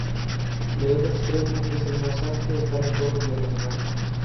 En el otro extremo, que es el más ancho, está la torre del homenaje.